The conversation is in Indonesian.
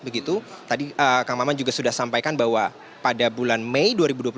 begitu tadi kang maman juga sudah sampaikan bahwa pada bulan mei dua ribu dua puluh satu